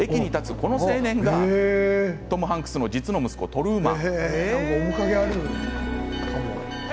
この青年がトム・ハンクスの実の息子トルーマン。